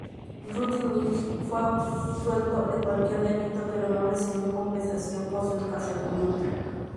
Rud Mills fue absuelto de cualquier delito, pero no recibió compensación por su encarcelamiento.